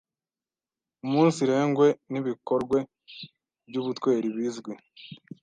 umunsirengwe n’ibikorwe by’ubutweri bizwi